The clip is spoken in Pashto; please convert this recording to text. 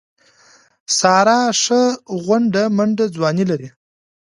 ساره ښه غونډه منډه ځواني لري.